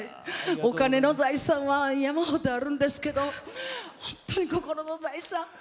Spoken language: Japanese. お金の財産は山ほどあるんですけど本当に心の財産。